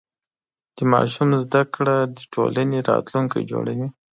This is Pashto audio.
د ماشومانو زده کړه د ټولنې راتلونکی جوړوي.